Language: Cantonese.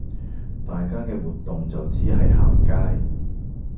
大家嘅活動就只係行街